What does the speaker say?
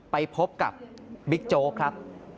ไปพบกับบิ๊กโจ๊กครับ